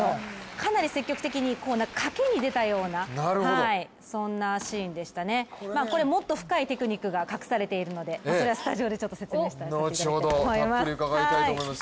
かなり積極的に賭けに出たようなそんなシーンでしたね、もっと深いテクニックが隠されているのでそれはスタジオで説明させていただきたいと思います。